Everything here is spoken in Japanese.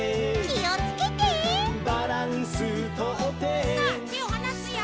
「バランスとって」さあてをはなすよ。